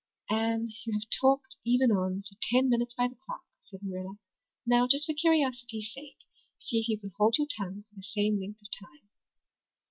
"Anne, you have talked even on for ten minutes by the clock," said Marilla. "Now, just for curiosity's sake, see if you can hold your tongue for the same length of time."